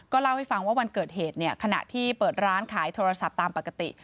เล่าให้ฟังว่าวันเกิดเหตุเนี่ยขณะที่เปิดร้านขายโทรศัพท์ตามปกติ